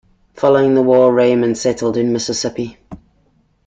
Following the war Raymond settled in Mississippi.